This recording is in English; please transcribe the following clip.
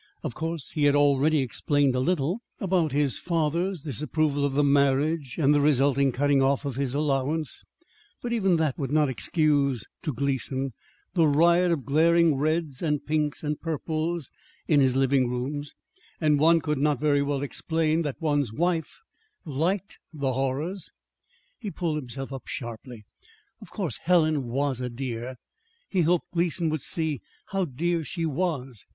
Of course he had already explained a little about his father's disapproval of the marriage, and the resulting cutting off of his allowance; but even that would not excuse (to Gleason) the riot of glaring reds and pinks and purples in his living rooms; and one could not very well explain that one's wife liked the horrors He pulled himself up sharply. Of course Helen herself was a dear. He hoped Gleason would see how dear she was.